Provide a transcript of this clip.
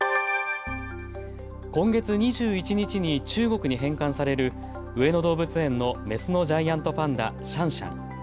今月２１日に中国に返還される上野動物園のメスのジャイアントパンダ、シャンシャン。